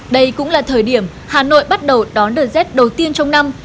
đây cũng là thời điểm hà nội bắt đầu đón đợt rét đầu tiên trong năm